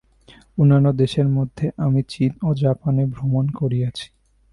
অন্যান্য দেশের মধ্যে আমি চীন ও জাপানে ভ্রমণ করিয়াছি।